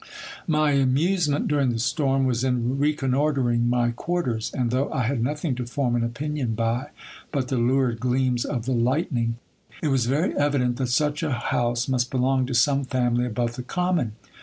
My amusement during the storm was in reconnoitring my quarters ; and though I had nothing to form an opinion by, but the lurid gleams of the light ning, it was very evident that such a house must belong to some family above the common.